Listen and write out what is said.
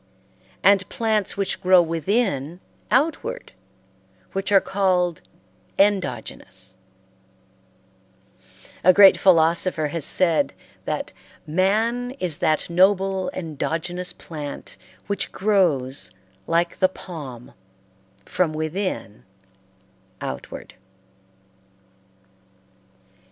and plants which grow within outward, which are called endogenous A great philosopher has said that "man is that noble endogenous plant which grows, like the palm, from within outward."